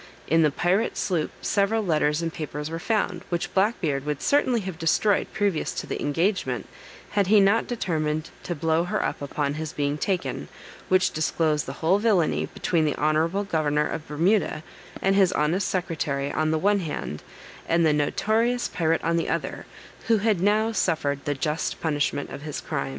In the pirate sloop several letters and papers were found, which Black Beard would certainly have destroyed previous to the engagement, had he not determined to blow her up upon his being taken, which disclosed the whole villainy between the honorable governor of Bermuda and his honest secretary on the one hand, and the notorious pirate on the other, who had now suffered the just punishment of his crimes.